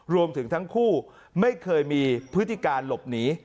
รวมถึงทั้งคู่ไม่เคยมีพฤติการหลบหนี